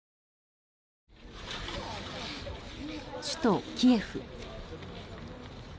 首都キエフ。